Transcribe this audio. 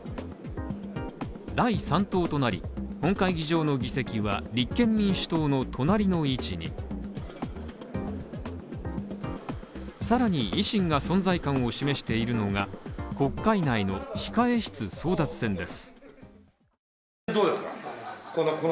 第３党となり、本会議場の議席は、立憲民主党の隣の位置にさらに維新が存在感を示しているのが国会内の控え室争奪戦です。